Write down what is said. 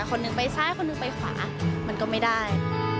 คนหนึ่งไปซ้ายคนนึงไปขวามันก็ไม่ได้